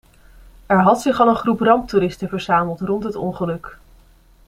Er had zich al een groep ramptoeristen verzameld rond het ongeluk.